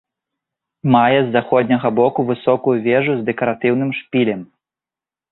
Мае з заходняга боку высокую вежу з дэкаратыўным шпілем.